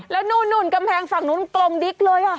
แล้วนู่นกำแพงฝั่งนู้นกลมดิ๊กเลย